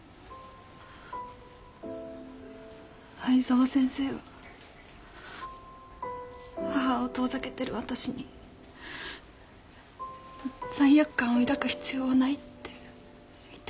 藍沢先生は母を遠ざけてる私に罪悪感を抱く必要はないって言ってくれました。